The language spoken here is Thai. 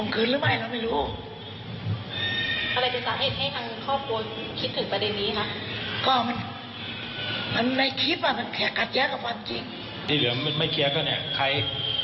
เขาก็เต็มร้อยอยู่แล้ว